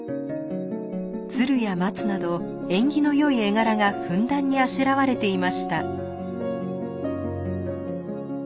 鶴や松など縁起の良い絵柄がふんだんにあしらわれていました。